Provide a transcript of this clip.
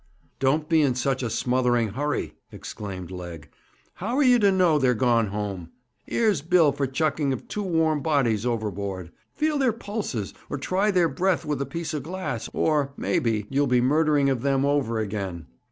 'Don't be in such a smothering hurry!' exclaimed Legg. 'How are ye to know they're gone home? 'Ere's Bill for chucking of two warm bodies overboard. Feel their pulses, or try their breath with a piece of glass, or, maybe, you'll be murdering of them over again.'